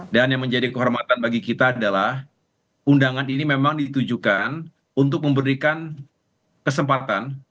dan yang menjadi kehormatan bagi kita adalah undangan ini memang ditujukan untuk memberikan kesempatan